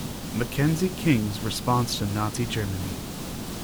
Mackenzie King's response to Nazi Germany.